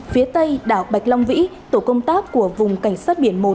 phía tây đảo bạch long vĩ tổ công tác của vùng cảnh sát biển một